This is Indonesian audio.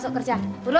cuman jangan gerak